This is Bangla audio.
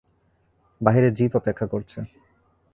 বাহিরে জিপ অপেক্ষা করছে।